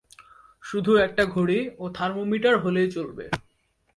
শুধু একটা ঘড়ি ও থার্মোমিটার হলেই চলবে।